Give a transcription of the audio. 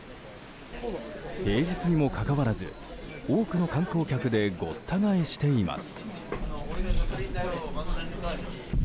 平日にもかかわらず多くの観光客でごった返しています。